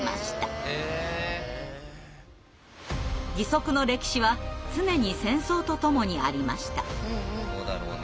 義足の歴史は常に戦争とともにありました。